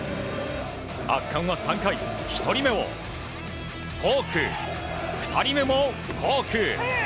圧巻は３回、１人目をフォーク、２人目もフォーク。